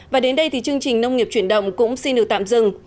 và đến đây thì chương trình nông nghiệp chuyển động cũng xin được tạm dừng